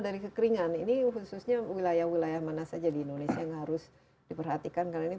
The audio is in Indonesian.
dari kekeringan ini khususnya wilayah wilayah mana saja di indonesia yang harus diperhatikan karena ini